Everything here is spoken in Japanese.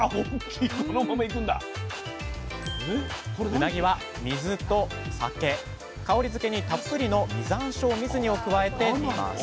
うなぎは水と酒香りづけにたっぷりの実ざんしょう水煮を加えて煮ます。